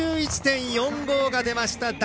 ８１．４５が出ました！